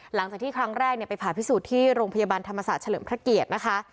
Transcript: หลังจากที่ครั้งแรกไปผ่าพิสูจน์ที่โรงพยาบาลธรรมศาสตร์เฉลิมพระเกียรตินะคะ